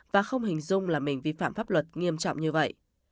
và không hình dung là mình vi phạm pháp luật nghiêm trọng như vậy